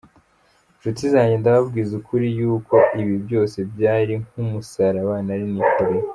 Nshuti zanjye, ndababwiza ukuri yuko ibi byose byari nk’umusaraba nari nikoreye.